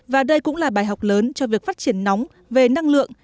và đây cũng là bài học lớn cho việc phát triển nóng về năng lượng